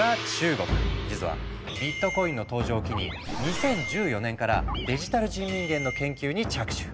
実はビットコインの登場を機に２０１４年からデジタル人民元の研究に着手。